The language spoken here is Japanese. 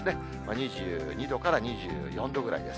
２２度から２４度ぐらいです。